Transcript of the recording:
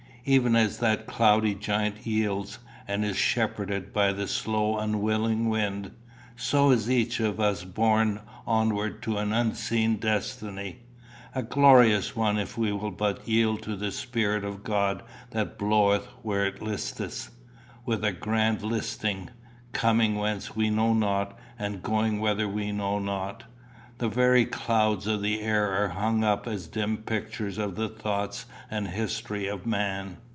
Even as that cloudy giant yields, and is 'shepherded by the slow unwilling wind,' so is each of us borne onward to an unseen destiny a glorious one if we will but yield to the Spirit of God that bloweth where it listeth with a grand listing coming whence we know not, and going whither we know not. The very clouds of the air are hung up as dim pictures of the thoughts and history of man."